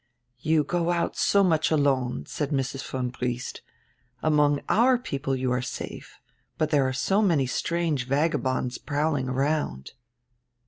"You go out so much alone," said Mrs. von Briest "Among our people you are safe, but there are so many strange vagabonds prowling around."